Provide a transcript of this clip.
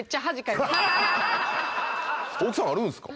大木さんあるんすか？